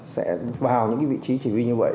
sẽ vào những vị trí chỉ huy như vậy